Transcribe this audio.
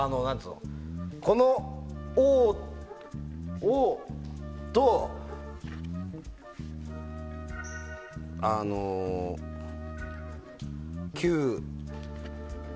このＯと、あのＱ。